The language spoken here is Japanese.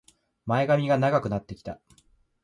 前髪が長くなってきた